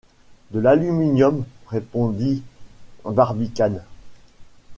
De l’aluminium, répondit Barbicane.